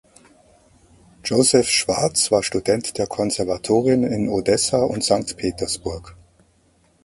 Joseph Schwarz war Student der Konservatorien in Odessa und Sankt Petersburg.